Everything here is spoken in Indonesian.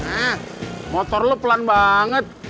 eh motor lo pelan banget